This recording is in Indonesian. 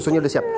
susunya udah siap